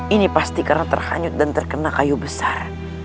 ini pasti karena terhanyut dan terkena kayu besar